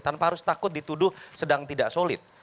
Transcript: tanpa harus takut dituduh sedang tidak solid